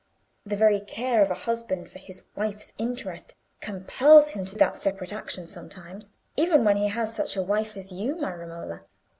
The very care of a husband for his wife's interest compels him to that separate action sometimes—even when he has such a wife as you, my Romola."